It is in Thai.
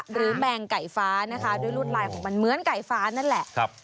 แมงไก่ฟ้านะคะด้วยรวดลายของมันเหมือนไก่ฟ้านั่นแหละ